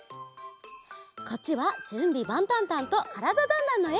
こっちは「じゅんびばんたんたん！」と「からだ☆ダンダン」のえ。